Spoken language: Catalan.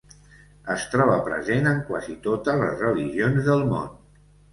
Es troba present en quasi totes les religions del món.